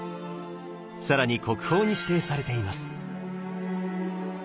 更に国宝に指定されています。